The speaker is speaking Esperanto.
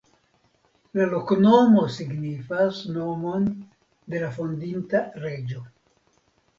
La loknomo signifas nomon de la fondinta reĝo.